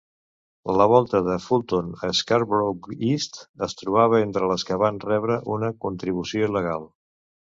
La volta de Fulton a Scarborough East es trobava entre les que van rebre una contribució il·legal.